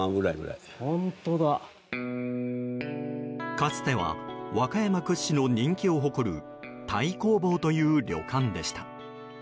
かつては和歌山屈指の人気を誇る太公望という旅館でした。